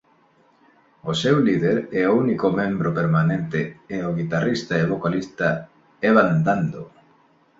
O seu líder e único membro permanente é o guitarrista e vocalista Evan Dando.